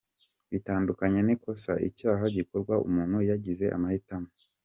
Bitandukanye n’ikosa, icyaha gikorwa umuntu yagize amahitamo.